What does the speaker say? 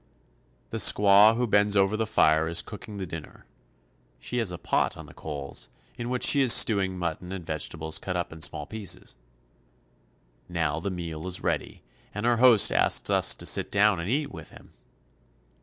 The squaw who bends over the fire is cooking the din ner. She has a pot on the coals, in which she is stewing mutton and vegetables cut up in small pieces. Now the meal is ready, and our host asks us to sit down and eat with him.